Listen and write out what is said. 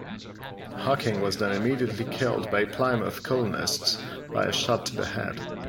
Hocking was then immediately killed by Plymouth colonists by a shot to the head.